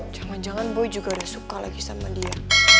jangan jangan boy juga udah suka lagi sama dia